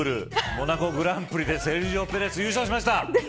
モナコグランプリでセルジオプレス優勝しました。